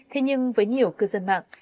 thế nhưng với nhiều cư dân mạng